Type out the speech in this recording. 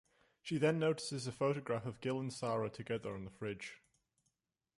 She then notices a photograph of Gil and Sara together on the fridge.